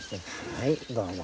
はい、どうも。